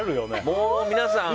もう皆さん